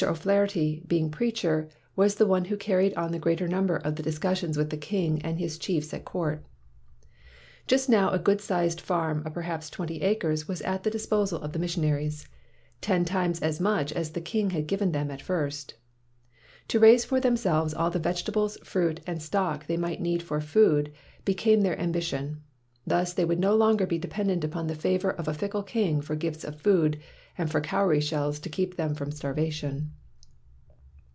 O 'Flaherty, being preacher, was the one who carried on the greater number of the discussions with the king and his chiefs at court. Just now a good sized farm of perhaps twenty acres was at the disposal of the 171 WHITE MAN OF WORK missionaries — ten times as much as the king had given them at first. To raise for them selves all the vegetables, fruit, and stock they might need for food became their am bition. Thus they would no longer be de pendent upon the favor of a fickle king for gifts of food and for cowry shells to keep them from starvation.